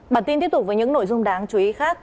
bản tin tiếp tục với những nội dung đáng chú ý khác